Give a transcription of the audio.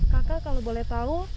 kakak kalau boleh tahu